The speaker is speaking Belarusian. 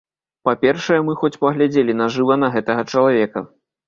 Па-першае, мы хоць паглядзелі на жыва на гэтага чалавека.